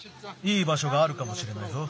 いいばしょがあるかもしれないぞ。